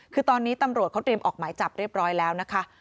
คือตอนนี้ตำรวจเขาเตรียมออกหมายจับเรียบร้อยแล้วนะคะ